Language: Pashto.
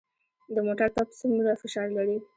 د موټر پمپ څومره فشار لري؟